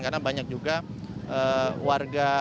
karena banyak juga warga